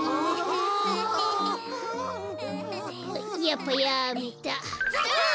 やっぱやめた。